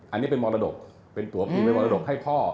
อันนี้เป็นมรดกเป็นตัวผีเป็นมรดกให้พ่อ